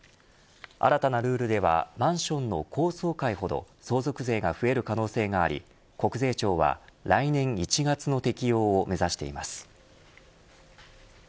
新たなルールではマンションの高層階ほど相続税が増える可能性があり国税庁は来年１月の適用を目指しています。